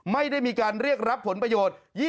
ไม่ได้มีการเรียกรับผลประโยชน์